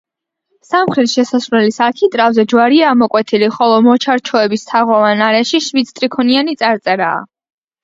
სამხრეთ შესასვლელის არქიტრავზე ჯვარია ამოკვეთილი, ხოლო მოჩარჩოების თაღოვან არეში შვიდსტრიქონიანი წარწერაა.